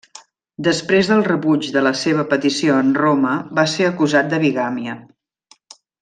Després del rebuig de la seva petició en Roma, va ser acusat de bigàmia.